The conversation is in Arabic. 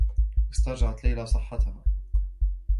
استرجعت ليلى صحّتها.